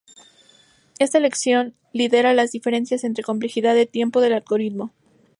Esta elección lidera las diferencias en complejidad de tiempo del algoritmo.